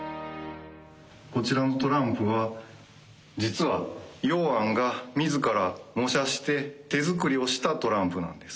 こちらのトランプは実は榕菴が自ら模写して手作りをしたトランプなんです。